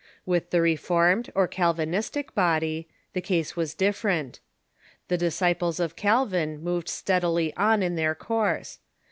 With the Reformed, or Calvinistic, body, the case was different. The disciples of Calvin moved steadily on in their course.